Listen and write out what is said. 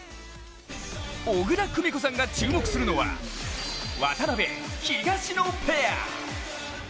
小椋久美子さんが注目するのは渡辺・東野ペア。